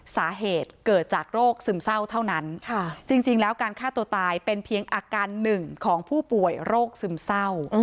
สาเหตุเกิดจากโรคซึมเศร้าเท่านั้นจริงแล้วการฆ่าตัวตายเป็นเพียงอาการหนึ่งของผู้ป่วยโรคซึมเศร้า